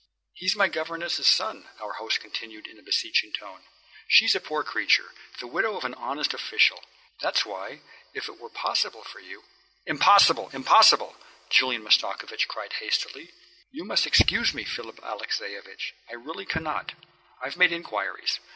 "He's my governess's son," our host continued in a beseeching tone. "She's a poor creature, the widow of an honest official. That's why, if it were possible for you " "Impossible, impossible!" Julian Mastakovich cried hastily. "You must excuse me, Philip Alexeyevich, I really cannot. I've made inquiries.